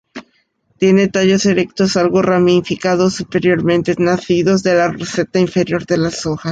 Tiene tallos erectos, algo ramificados superiormente, nacidos de la roseta inferior de las hojas.